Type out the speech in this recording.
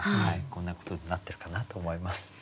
こんなことになってるかなと思います。